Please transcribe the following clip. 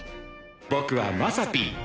僕はまさぴー。